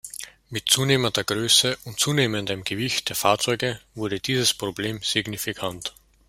Mit zunehmender Größe und zunehmendem Gewicht der Fahrzeuge wurde dieses Problem signifikant.